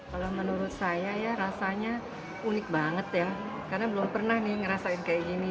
kalau menurut saya ya rasanya unik banget ya karena belum pernah nih ngerasain kayak gini